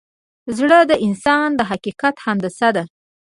زړه د انسان د حقیقت هندسه ده.